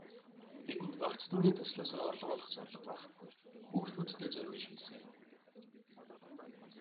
Бидэнд багц дууны төслөөсөө орлого олох зорилго байхгүй, хүүхдүүддээ зориулж хийсэн.